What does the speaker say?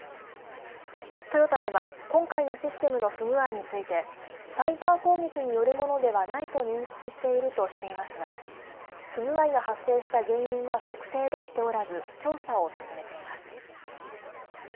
トヨタでは今回のシステムの不具合についてサイバー攻撃によるものではないと認識しているとしていますが不具合が発生した原因は特定できておらず調査を進めています。